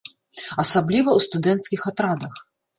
Асабліва ў студэнцкіх атрадах.